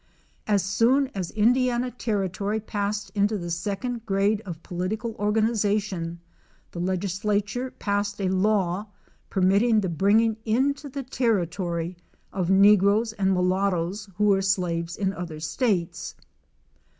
As soon as Indiana territory passed into the second grade of political organization the legislature passed a law permitting the bringing into the territory of negroes and mulat toes who were slaves in other states.